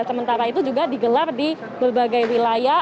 sementara itu juga digelar di berbagai wilayah